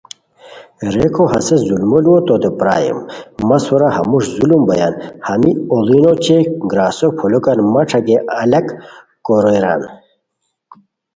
ریکو ہسے ظلمو لوؤ توتے پرائے مہ سورا ہموݰ ظلم بویان ہمی اوڑینو اوچے گراسو پھولوکان مہ ݯاکئے الگ کوریران